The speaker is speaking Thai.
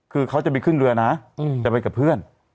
คือเขาจะไปขึ้นเรือนะจะไปกับเพื่อน